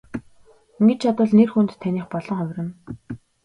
Ингэж чадвал нэр хүнд таных болон хувирна.